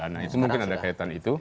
nah itu mungkin ada kaitan itu